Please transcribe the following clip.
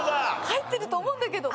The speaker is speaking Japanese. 入ってると思うんだけど。